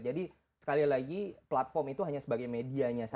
jadi sekali lagi platform itu hanya sebagai medianya saja